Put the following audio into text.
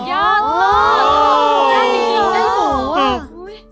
ยอดเลยไส้หมู